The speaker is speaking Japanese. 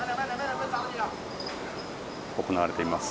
行われています。